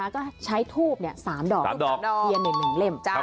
ก็ใช้ทูบ๓ดอกเทียน๑เล่ม